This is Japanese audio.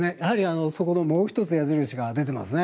そこにもう１つ矢印が出ていますね。